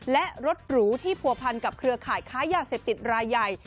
และรถหรูที่ผัวพันกับเครือข่ายค้ายาเสพติดรายใหญ่